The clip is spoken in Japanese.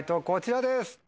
こちらです。